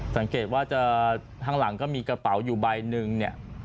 สังเกตว่าจะข้างหลังก็มีกระเป๋าอยู่ใบหนึ่งเนี่ย